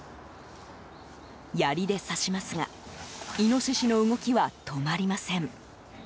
やりで刺しますがイノシシの動きは止まりません。